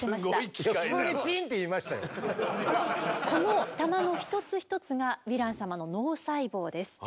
この玉の一つ一つがヴィラン様の脳細胞です。